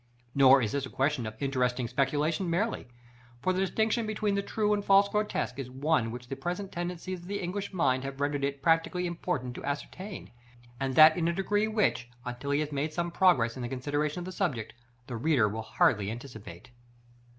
Nor is this a question of interesting speculation merely: for the distinction between the true and false grotesque is one which the present tendencies of the English mind have rendered it practically important to ascertain; and that in a degree which, until he has made some progress in the consideration of the subject, the reader will hardly anticipate.